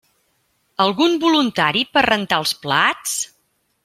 Algun voluntari per rentar els plats?